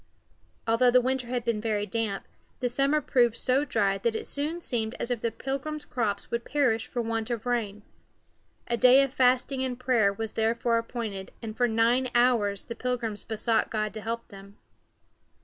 Although the winter had been very damp, the summer proved so dry that it soon seemed as if the Pilgrims' crops would perish for want of rain. A day of fasting and prayer was therefore appointed, and for nine hours the Pilgrims besought God to help them.